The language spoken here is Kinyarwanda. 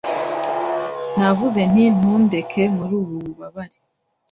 Navuze nti Ntundeke muri ubu bubabare